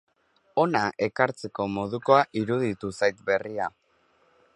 Hona ekartzeko modukoa iruditu zait berria.